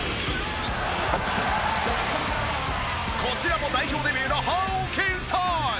こちらも代表デビューのホーキンソン。